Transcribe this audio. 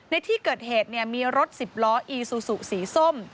ในที่เกิดเหตุมีรถสิบล้ออีซูซูสีส้ม